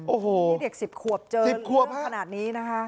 โอ้โหนี่เด็กสิบขวบเจอเรื่องขนาดนี้นะคะ